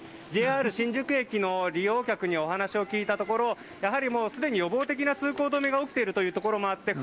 ＪＲ新宿駅の利用客にお話を聞いたところやはりすでに予防的な通行止めが起きているところもあり